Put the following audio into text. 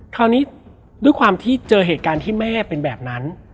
คราวนี้ด้วยความที่เจอเหตุการณ์ที่แม่เป็นแบบนั้น